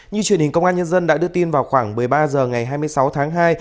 như truyền hình công an nhân dân đã đưa tin vào khoảng một mươi ba h ngày hai mươi sáu tháng hai